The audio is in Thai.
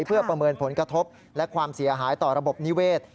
เพื่อประเมินผลกระทบและความเสียหายต่อระบบนิเวศ